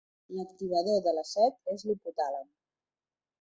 L'activador de la set és l'hipotàlem.